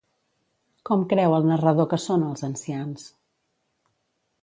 Com creu el narrador que són els ancians?